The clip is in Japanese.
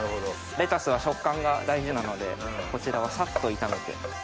レタスは食感が大事なのでこちらはサッと炒めて。